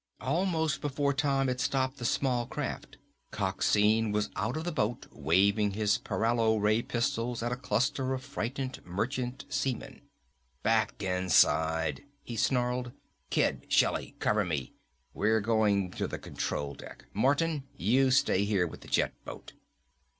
Almost before Tom had stopped the small craft, Coxine was out of the boat waving his paralo ray pistols at a cluster of frightened merchant spacemen. "Back inside!" he snarled. "Kid! Shelly! Cover me! We're going to the control deck. Martin, you stay here with the jet boat."